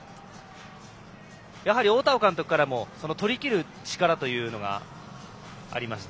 やはり大田尾監督からも取りきる力という話がありました。